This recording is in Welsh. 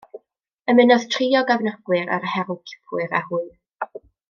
Ymunodd tri o gefnogwyr yr herwgipwyr â hwy.